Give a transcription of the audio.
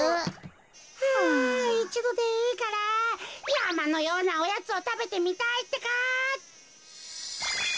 あいちどでいいからやまのようなおやつをたべてみたいってか。